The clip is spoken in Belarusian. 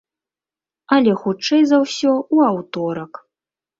Але хутчэй за ўсё ў аўторак.